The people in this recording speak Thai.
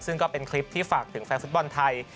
ซึ่งก็เป็นคลิปที่ฝากถึงแฟนฟุตบอลไทย